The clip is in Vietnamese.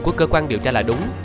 của cơ quan điều tra là đúng